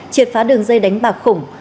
triệt phá đường dây đánh bạc khủng